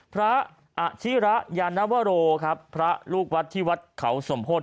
พระอาชิระยานวโรครับพระลูกวัดที่วัดเขาสมโพธิ